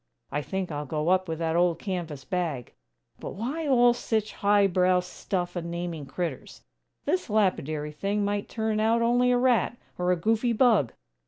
I think I'll go up with that old canvas bag! But why all sich high brow stuff in naming critturs? This lapidary thing might turn out only a rat, or a goofy bug!"